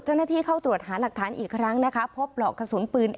เจ้าหน้าที่เข้าตรวจหาหลักฐานอีกครั้งนะคะพบปลอกกระสุนปืน